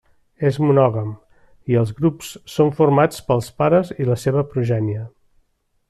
És monògam i els grups són formats pels pares i la seva progènie.